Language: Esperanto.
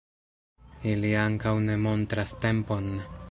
Ili ankaŭ ne montras tempon.